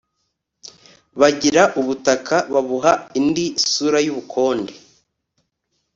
bagira ubutaka, babuha indi sura y'ubukonde